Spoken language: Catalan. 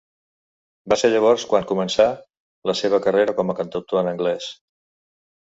Va ser llavors quan començà la seva carrera com a cantautor en anglès.